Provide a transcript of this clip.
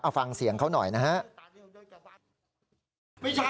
เอาฟังเสียงเขาหน่อยนะฮะ